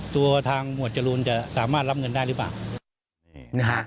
ตัวทางหมวดจรูนจะสามารถรับเงินได้หรือเปล่า